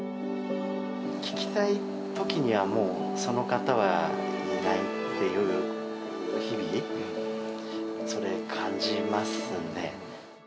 聞きたいときには、もうその方はいないっていう日々、それ、感じますね。